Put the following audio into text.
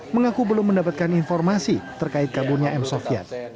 mengaku belum mendapatkan informasi terkait kabarnya m sofian